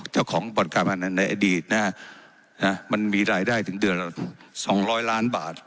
เจ้าของบ่อนการพันธนาคมในอดีตนะฮะมันมีรายได้ถึงเดือนสองร้อยล้านบาท